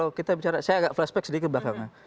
ya kalau kita bicara saya agak flashback sedikit belakangnya